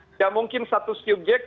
tidak mungkin satu subjek